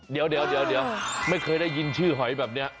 เดี๋ยวไม่เคยได้ยินชื่อหอยแบบนี้